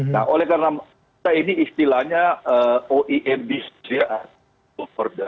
nah oleh karena ini istilahnya oemd